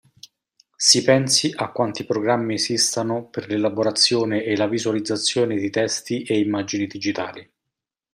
Si pensi a quanti programmi esistano per l'elaborazione e la visualizzazione di testi e immagini digitali.